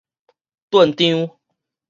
扽張